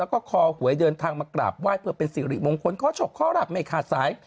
แล้วก็คอหวยเดินทางมากราบไหว้เพื่อเป็นสิริมงคลขอฉกข้อรับไม่ขาดสาย